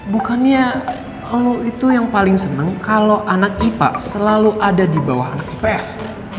bukannya lu itu yang paling seneng kalau anak ipa selalu ada dibawah anak ips